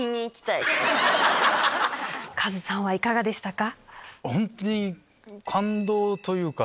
カズさんはいかがでしたか？